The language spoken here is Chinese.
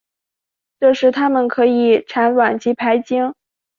这时它们可以产卵及排精。